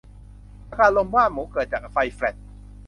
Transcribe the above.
อาการลมบ้าหมูอาจเกิดจากไฟแฟลช